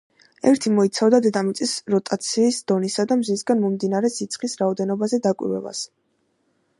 ერთი მოიცავდა დედამიწის როტაციის დონისა და მზისგან მომდინარე სიცხის რაოდენობაზე დაკვირვებას.